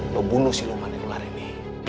lo bunuh si luman yang luar ini